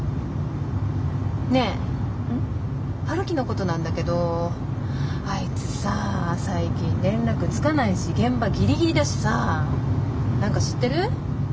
陽樹のことなんだけどあいつさ最近連絡つかないし現場ギリギリだしさ何か知ってる？